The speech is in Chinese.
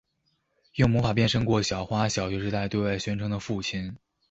用魔法变身过小花小学时代对外宣称的父亲。